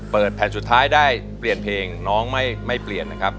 แผ่นสุดท้ายได้เปลี่ยนเพลงน้องไม่เปลี่ยนนะครับ